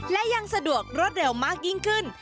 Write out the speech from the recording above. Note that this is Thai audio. และยังสะดวกรวดเร็วมากยิ่งขึ้น